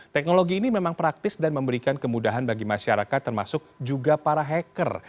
teknologi ini memang praktis dan memberikan kemudahan bagi masyarakat termasuk juga para hacker